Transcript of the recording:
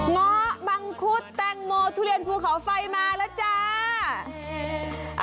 ง้อมังคุดแตงโมทุเรียนภูเขาไฟมาแล้วจ้า